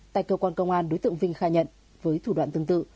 tại cơ quan công an đối tượng vinh khai nhận với thủ đoạn tương tự